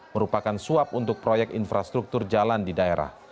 merupakan suap untuk proyek infrastruktur jalan di daerah